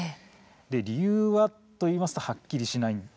理由はというと、はっきりしない。